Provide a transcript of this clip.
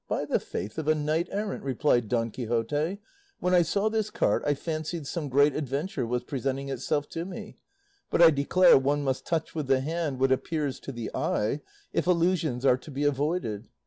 "By the faith of a knight errant," replied Don Quixote, "when I saw this cart I fancied some great adventure was presenting itself to me; but I declare one must touch with the hand what appears to the eye, if illusions are to be avoided.